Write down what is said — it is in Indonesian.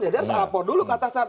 ya dia harus alpor dulu kata kata